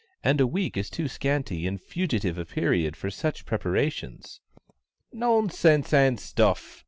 and a week is too scanty and fugitive a period for such preparations!" "Nonsense and stuff!"